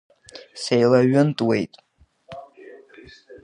Сеилаҩынтуеит.